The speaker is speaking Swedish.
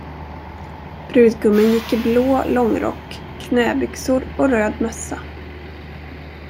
Brudgummen gick i blå långrock, knäbyxor och röd mössa.